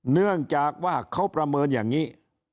เนื่องจากว่าเขาประเมินอย่างนี้